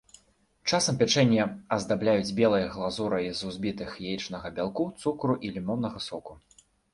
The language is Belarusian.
Часам пячэнне аздабляюць белай глазурай з узбітых яечнага бялку, цукру і лімоннага соку.